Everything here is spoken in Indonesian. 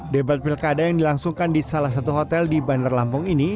debat pilkada yang dilangsungkan di salah satu hotel di bandar lampung ini